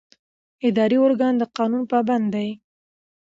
اداري ارګان د قانون پابند دی.